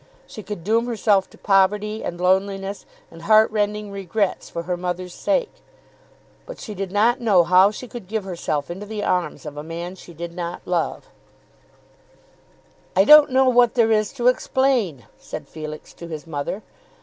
She could doom herself to poverty, and loneliness, and heart rending regrets for her mother's sake. But she did not know how she could give herself into the arms of a man she did not love. [Illustration: "Can I marry the man I do not love?"] "I don't know what there is to explain," said Felix to his mother.